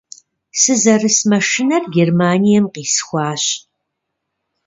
Сызэрыс машинэр Германием къисхуащ.